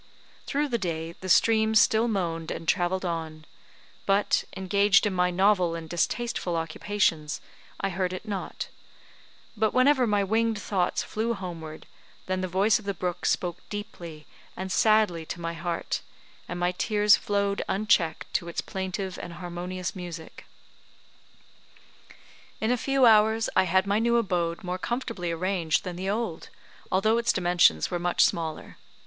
Through the day the stream still moaned and travelled on, but, engaged in my novel and distasteful occupations, I heard it not; but whenever my winged thoughts flew homeward, then the voice of the brook spoke deeply and sadly to my heart, and my tears flowed unchecked to its plaintive and harmonious music. In a few hours I had my new abode more comfortably arranged than the old, although its dimensions were much smaller.